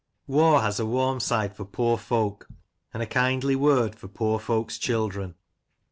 Waugh has a warm side for poor folk, and a kindly word for poor folks' children.